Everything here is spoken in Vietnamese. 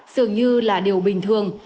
dường như là điều bình thường